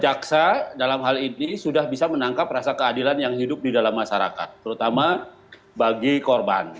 jaksa dalam hal ini sudah bisa menangkap rasa keadilan yang hidup di dalam masyarakat terutama bagi korban